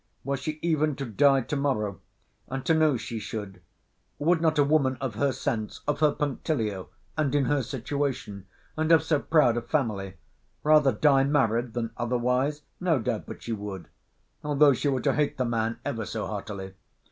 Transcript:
Were she even to die to morrow, and to know she should, would not a woman of her sense, of her punctilio, and in her situation, and of so proud a family, rather die married, than otherwise?—No doubt but she would; although she were to hate the man ever so heartily.